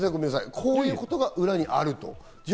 こういうことが裏にある。